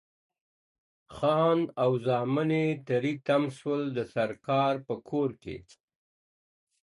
خان او زامن یې تري تم سول د سرکار په کور کي.